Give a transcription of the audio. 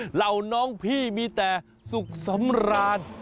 เหล่าน้องพี่มีแต่สุขสำราญ